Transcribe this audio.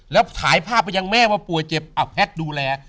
แล้วถ่ายภาพไปยังแม่ว่าป่วยเจ็บแพทย์ดูแล